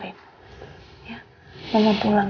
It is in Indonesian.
aku mau pergi dulu